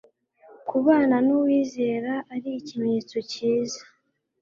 kubana n'uwizera, ari ikimenyetso cyiza